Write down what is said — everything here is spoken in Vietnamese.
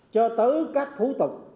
cho tới các thủ tục